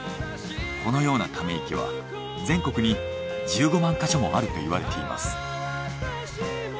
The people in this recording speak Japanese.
このようなため池は全国に１５万ヵ所もあるといわれています。